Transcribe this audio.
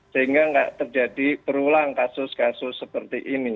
sehingga tidak terjadi berulang kasus kasus seperti ini